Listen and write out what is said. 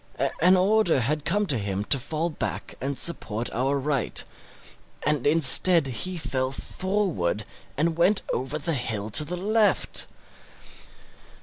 An order had come to him to fall back and support our right; and instead he fell forward and went over the hill to the left.